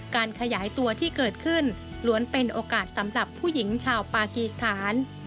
การขยายตัวที่เกิดขึ้นล้วนเป็นโอกาสสำหรับผู้หญิงชาวปากีสถาน